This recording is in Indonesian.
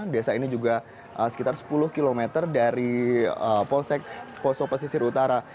desa ini juga sekitar sepuluh km dari polsek poso pesisir utara